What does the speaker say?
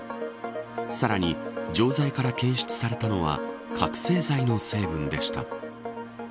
さらに、錠剤から検出されたのは覚せい剤の成分でした。